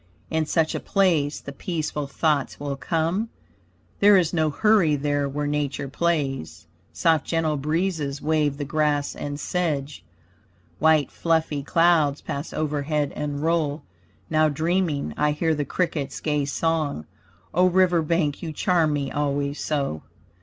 In such a place the peaceful thoughts will come; There is no hurry there where nature plays. Soft gentle breezes wave the grass and sedge; White fluffy clouds pass overhead and roll. Now dreaming, I hear the cricket's gay song. O river bank you charm me always so.